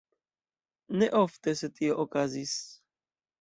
Ne ofte, sed tio okazis.